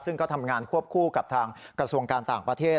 ซึ่งก็ทำงานควบคู่กับทางกระทรวงการต่างประเทศ